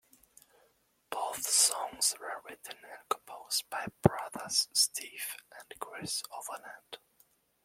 Both songs were written and composed by brothers Steve and Chris Overland.